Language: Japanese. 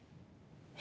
え？